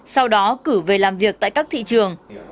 sau đó cử về làm việc tại các thị trường